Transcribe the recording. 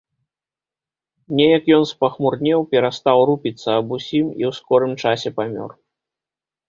Неяк ён спахмурнеў, перастаў рупіцца аб усім і ў скорым часе памёр.